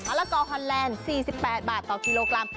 ละกอฮอนแลนด์๔๘บาทต่อกิโลกรัม